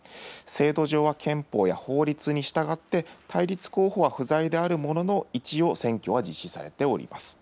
制度上は憲法や法律に従って、対立候補は不在であるものの、一応、選挙は実施されております。